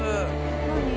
何？